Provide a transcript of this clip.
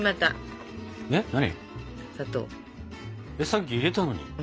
さっき入れたのに。